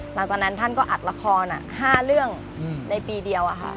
หลังจากนั้นท่านก็อัดละคร๕เรื่องในปีเดียว